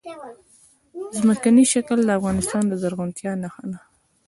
ځمکنی شکل د افغانستان د زرغونتیا نښه ده.